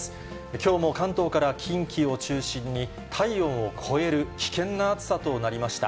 きょうも関東から近畿を中心に、体温を超える危険な暑さとなりました。